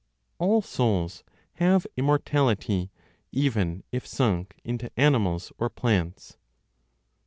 ALL SOULS HAVE IMMORTALITY, EVEN IF SUNK INTO ANIMALS OR PLANTS.